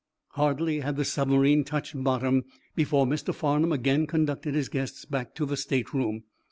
Hardly had the submarine touched bottom before Mr. Farnum again conducted his guests back to the state room.